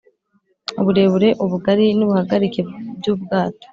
uburebure, ubugari n’ ubuhagarike by’ubwato;